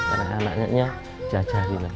anak anaknya jajarin lah